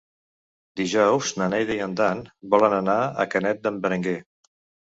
Dijous na Neida i en Dan volen anar a Canet d'en Berenguer.